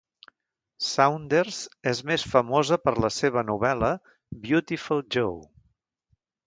Saunders és més famosa per la seva novel·la "Beautiful Joe".